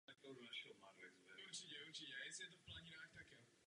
Tento sňatek stál Konstantina ruskou carskou korunu.